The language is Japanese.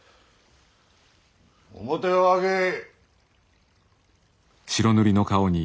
面を上げい。